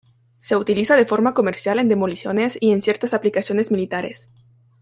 Se utiliza de forma comercial en demoliciones y en ciertas aplicaciones militares.